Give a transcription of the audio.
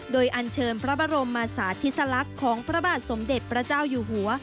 โดยอันเชิญพระบรมมาสาธิสลักษณ์ของพระบาทสมเด็จพระเจ้าอยู่หัว